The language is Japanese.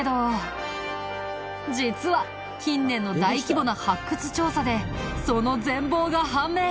実は近年の大規模な発掘調査でその全貌が判明！